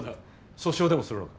訴訟でもするか。